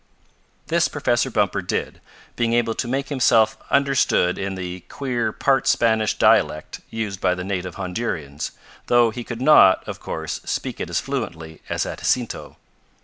This Professor Bumper did, being able to make himself understood in the queer part Spanish dialect used by the native Hondurians, though he could not, of course, speak it as fluently as had Jacinto.